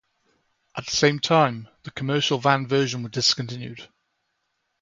At the same time, the commercial Van version was discontinued.